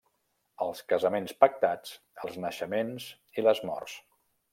Els casaments pactats, els naixements i les morts.